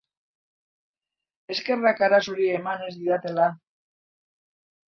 Eskerrak arazo hori eman ez didatela!